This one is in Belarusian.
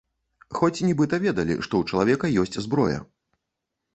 Хоць нібыта ведалі, што ў чалавека ёсць зброя.